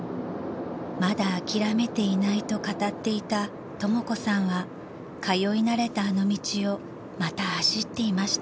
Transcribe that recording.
［まだ諦めていないと語っていたとも子さんは通い慣れたあの道をまた走っていました］